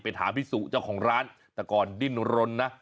ถามพี่สุเจ้าของร้านแต่ก่อนดิ้นรนนะ